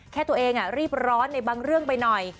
แค่ตัวเองรีบร้อนในบางเรื่องไปหน่อย